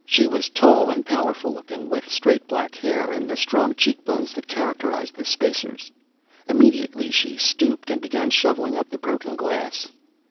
She was tall and powerful looking, with straight black hair and the strong cheekbones that characterized the Spacers. Immediately she stooped and began shoveling up the broken glass.